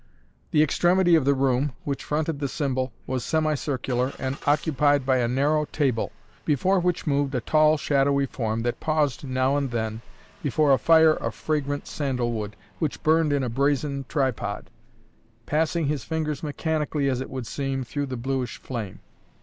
The extremity of the room, which fronted the symbol, was semi circular and occupied by a narrow table, before which moved a tall, shadowy form that paused now and then before a fire of fragrant sandal wood, which burned in a brazen tripod, passing his fingers mechanically, as it would seem, through the bluish flame.